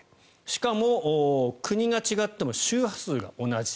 しかも、国が違っても周波数が同じ。